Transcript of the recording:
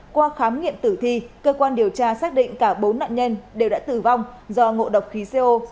qua khám nghiệm tử thi cơ quan điều tra xác định cả bốn nạn nhân đều đã tử vong do ngộ độc khí co